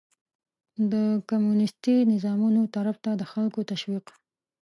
د کمونيستي نظامونو طرف ته د خلکو تشويق